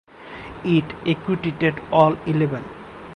It acquitted all eleven.